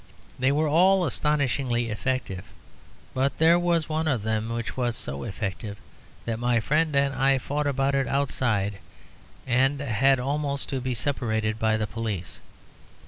They were all astonishingly effective; but there was one of them which was so effective that my friend and I fought about it outside, and had almost to be separated by the police.